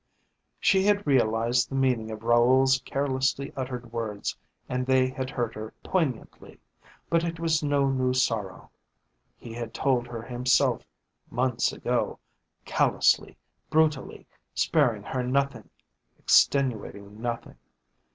She had realised the meaning of Raoul's carelessly uttered words and they had hurt her poignantly, but it was no new sorrow. He had told her himself months ago, callously, brutally, sparing her nothing, extenuating nothing.